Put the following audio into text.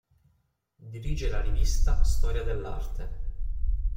Dirige la rivista "Storia dell'Arte".